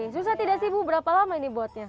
susah tidak sih bu berapa lama ini buatnya